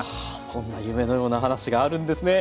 そんな夢のような話があるんですね！